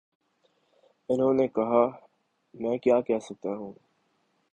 انہوں نے کہا: میں کیا کہہ سکتا ہوں۔